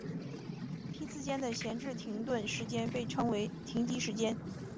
批次间的闲置停顿时间被称为停机时间。